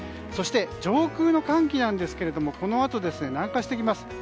そして、上空の寒気なんですがこのあと、南下してきます。